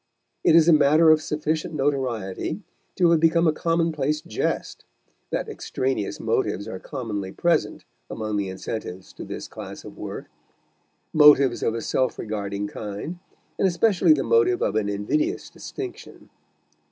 It is a matter of sufficient notoriety to have become a commonplace jest that extraneous motives are commonly present among the incentives to this class of work motives of a self regarding kind, and especially the motive of an invidious distinction.